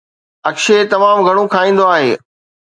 اڪشي تمام گهڻو کائيندو آهي